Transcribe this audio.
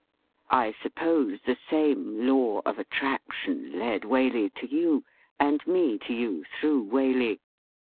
I suppose the same law of attraction led Waley to you, and me to you through Waley.